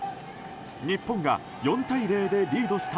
日本が４対０でリードした